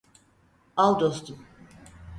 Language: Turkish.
Al dostum.